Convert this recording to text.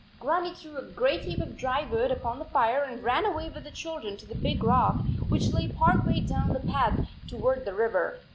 Grannie threw a great heap of dry wood upon the fire and ran with the children to the big rock, which lay part way down the path toward the river.